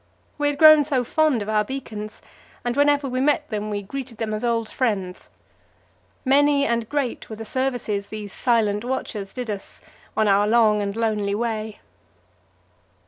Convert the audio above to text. We had grown so fond of our beacons, and whenever we met them we greeted them as old friends. Many and great were the services these silent watchers did us on our long and lonely way.